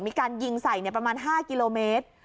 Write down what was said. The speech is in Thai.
มีการยิงใส่ประมาณ๕กิโลเมตร